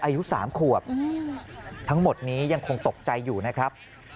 อายุ๓ขวบทั้งหมดนี้ยังคงตกใจอยู่นะครับ